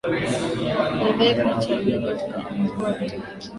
alidai kuwa Chameleone amekuwa akitembelea Tanzania mara kwa mara kwa lengo la